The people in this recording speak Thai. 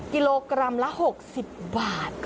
กิโลกรัมละ๖๐บาท